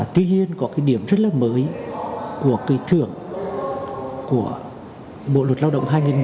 tuy nhiên có cái điểm rất là mới của cái trưởng của bộ luật lao động hai nghìn một mươi năm